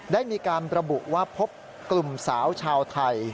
ได้มีการระบุว่าพบกลุ่มสาวชาวไทย